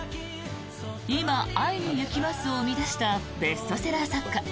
「いま、会いにゆきます」を生み出したベストセラー作家